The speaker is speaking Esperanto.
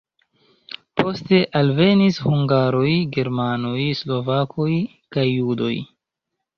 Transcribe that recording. Poste alvenis hungaroj, germanoj, slovakoj kaj judoj.